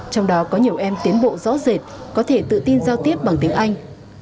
trong đó có nhiều em tiến bộ rõ rệt có thể tự tin giao tiếp bằng tiếng anh